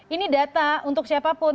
ini data untuk siapapun